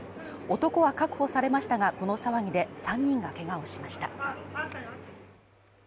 男は確保されましたが、この騒ぎで３人がけがをしました。